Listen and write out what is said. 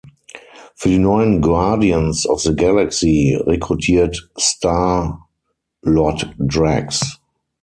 Für die neuen Guardians of the Galaxy rekrutiert Star-Lord Drax.